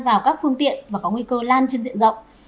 vào các phương tiện và có nguy cơ lan trên diện rộng